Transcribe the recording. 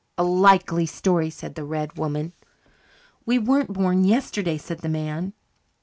"A likely story," said the red woman. "We weren't born yesterday," said the man.